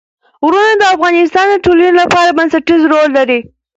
غرونه د افغانستان د ټولنې لپاره بنسټيز رول لري.